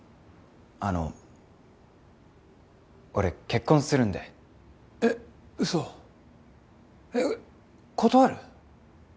あの俺結婚するんでえっウソえっ断る？